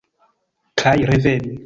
Kaj reveni.